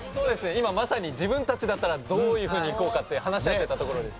今まさに自分たちだったらどういうふうにいこうかって話し合ってたところです。